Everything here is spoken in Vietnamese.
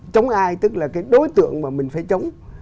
chống ai tức là cái đối tượng mà mình phải chống